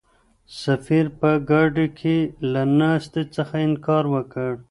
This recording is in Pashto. سفیر په ګاډۍ کې له ناستې څخه انکار وکړ.